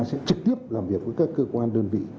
sẽ trực tiếp làm việc với các cơ quan đơn vị